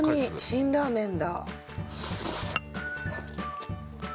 辛ラーメンだ。